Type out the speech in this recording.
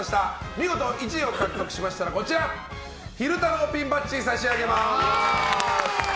見事１位を獲得しましたらこちら、昼太郎ピンバッジ差し上げます。